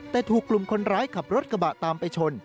แต่ถูกกลุ่มคนร้ายขับรถกระบะตามไปชน